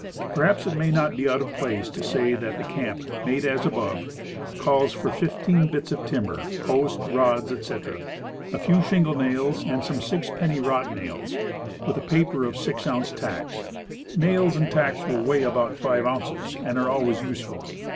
Perhaps it may not be out of place to say that the camp, made as above, calls for fifteen bits of timber, posts, rods, etc., a few shingle nails, and some six penny wrought nails, with a paper of six ounce tacks. Nails and tacks will weigh about five ounces, and are always useful.